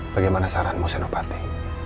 bagaimana saranmu senopati